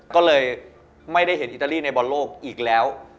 ก็เลยไม่ได้เห็นอิตาลีในบอลโลกอีกแล้ว